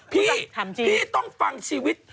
พี่พี่ต้องฟังชีวิต